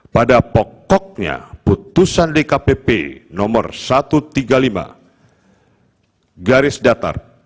pada pokoknya putusan dkpp nomor satu ratus tiga puluh lima garis datar